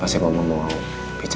pasti mama mau bicara dengan andi nih ya